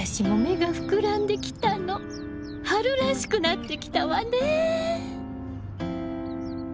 春らしくなってきたわね！